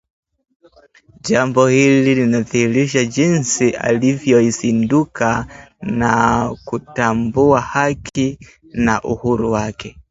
Jambo hili linadhihirisha jinsi alivyozinduka na kutambua haki na uhuru wake